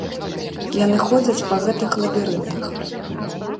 Яны ходзяць па гэтых лабірынтах.